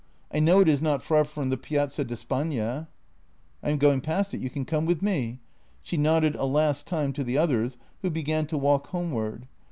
I know it is not far from the Piazza di Spagna." " I am going past it — you can come with me." She nodded a last time to the others, who began to walk homeward.